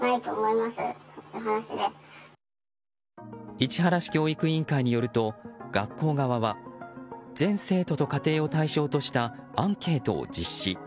市原市教育委員会によると学校側は全生徒と家庭を対象としたアンケートを実施。